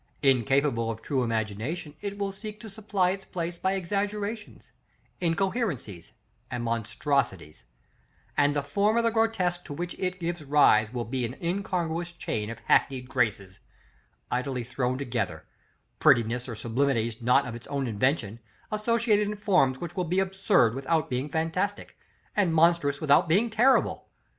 Incapable of true imagination, it will seek to supply its place by exaggerations, incoherencies, and monstrosities; and the form of the grotesque to which it gives rise will be an incongruous chain of hackneyed graces, idly thrown together, prettinesses or sublimities, not of its own invention, associated in forms which will be absurd without being fantastic, and monstrous without being terrible.